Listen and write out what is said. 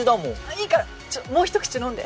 いいからもう一口飲んで。